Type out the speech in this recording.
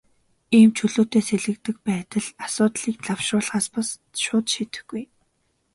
Ийм чөлөөтэй сэлгэдэг байдал асуудлыг лавшруулахаас бус, шууд шийдэхгүй.